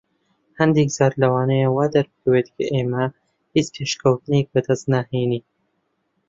هەندێک جار لەوانەیە وا دەربکەوێت کە ئێمە هیچ پێشکەوتنێک بەدەست ناهێنین.